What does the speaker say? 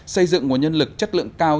xây dựng một nhân lực chất lượng cao